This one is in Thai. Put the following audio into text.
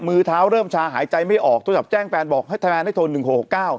มือเท้าเริ่มชาหายใจไม่ออกโทรศัพท์แจ้งแฟนบอกให้แฟนให้โทร